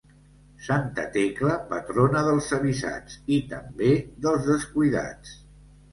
Santa Tecla, patrona dels avisats i també dels descuidats.